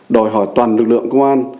đòi hỏi toàn lực lượng công an